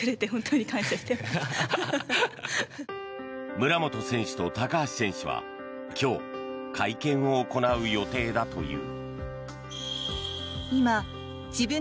村元選手と高橋選手は今日会見を行う予定だという。